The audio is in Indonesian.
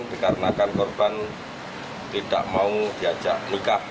dikarenakan korban tidak mau diajak nikah